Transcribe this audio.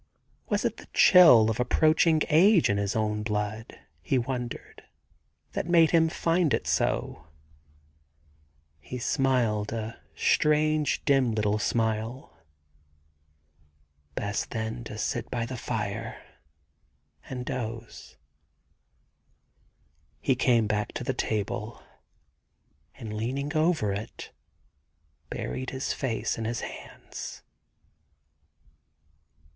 Was it the chill of approaching age in his own blood, he wondered, that made him find it so ? He smiled a strange, dim little smile. Best, then, to sit by the fire and doze ! He came back to the table, and leaning over it, buried his face in his hands.